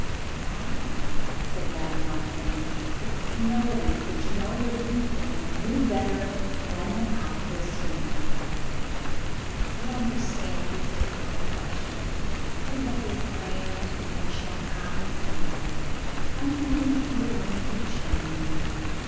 "Ah," said Madame Fontaine, with the humility which no living woman knew better when and how to assume, "you understand these difficult questions you have your grand national common sense. I am only a poor limited German woman.